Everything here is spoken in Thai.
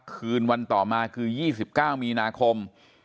คืนวันต่อมาคือ๒๙มีนาคม